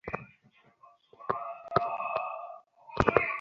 এসব আইডিয়া কার?